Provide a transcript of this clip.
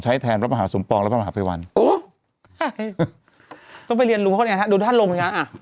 ใช้แทนพระมหาสมปองและพระมหาเผยวันต้องไปเรียนรู้เพราะยังไงดูท่านลงอย่างนั้น